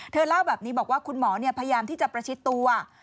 เล่าแบบนี้บอกว่าคุณหมอพยายามที่จะประชิดตัว